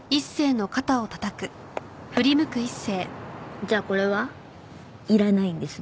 じゃあこれはいらないんですね？